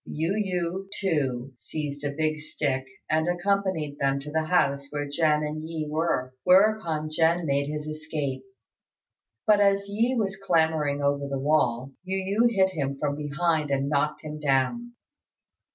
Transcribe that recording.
Yu yü, too, seized a big stick and accompanied them to the house where Jen and Yi were; whereupon Jen made his escape; but as Yi was clambering over the wall, Yu yü hit him from behind and knocked him down.